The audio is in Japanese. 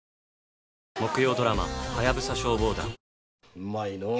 うまいのう。